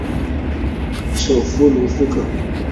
首府卢茨克。